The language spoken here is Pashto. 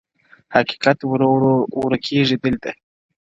حقيقت ورو ورو ورکيږي دلته-